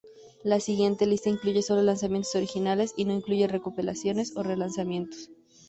La siguiente lista incluye solo lanzamientos originales y no incluye recopilaciones o relanzamientos.